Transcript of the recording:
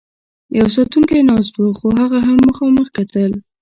یو ساتونکی ناست و، خو هغه هم مخامخ کتل.